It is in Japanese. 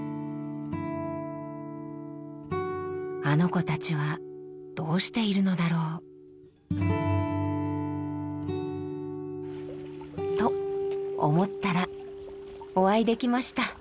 あの子たちはどうしているのだろう。と思ったらお会いできました。